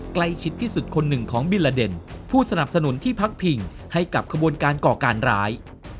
ใกล้ชิดที่สุดคนหนึ่งของบิลลาเด่นผู้สนับสนุนที่พักผิงให้กับขบวนการก่อการร้าย